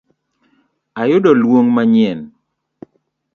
Ayudo luong' mayien.